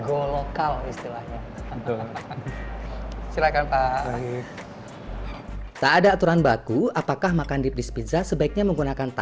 go lokal istilahnya silakan pak tak ada aturan baku apakah makan di pizza sebaiknya menggunakan